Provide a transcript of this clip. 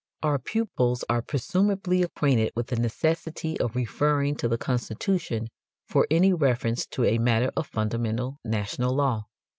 Our pupils are presumably acquainted with the necessity of referring to the Constitution for any reference to a matter of fundamental national law.